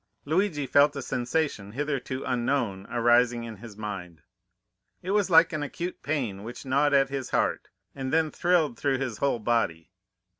"Luigi felt a sensation hitherto unknown arising in his mind. It was like an acute pain which gnawed at his heart, and then thrilled through his whole body.